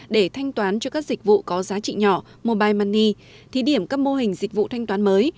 để thanh toán cho các dịch vụ có giá trị nhỏ mobile money thí điểm các mô hình dịch vụ thanh toán mới